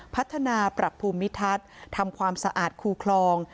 พัฒนาปรับภูมิทัศน์ทำความสะอาดคูคลอง